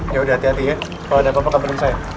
yaudah hati hati ya kalo ada apa apa kabarnya saya